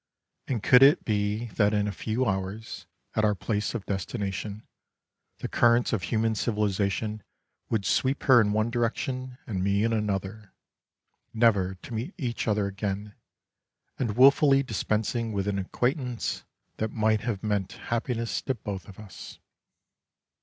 And could it be that in a few hours, at our place of destination, the currents of human civilization would sweep her in one direction and me in another — never to meet each other again and wilfully dispensing with an acquaintance that might have meant happiness to both of us!